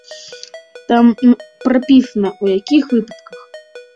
Там прапісана, у якіх выпадках.